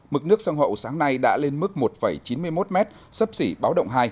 mực nước sông hậu sáng nay đã lên mức một chín mươi một m sấp xỉ báo động hai